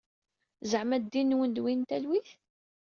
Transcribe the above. Zeɛma ddin-nwen d win n talwit?